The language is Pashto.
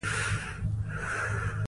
تاریخ د عدالت غوښتنه کوي.